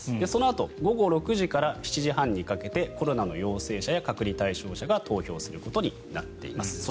そのあと午後６時から７時半にかけてコロナの陽性者や隔離対象者が投票することになっています。